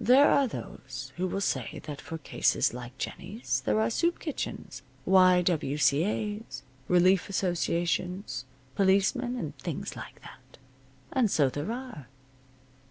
There are those who will say that for cases like Jennie's there are soup kitchens, Y. W. C. A.'s, relief associations, policemen, and things like that. And so there are.